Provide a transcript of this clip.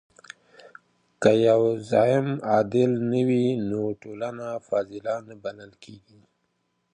که يو زعيم عادل نه وي نو ټولنه فاضله نه بلل کيږي.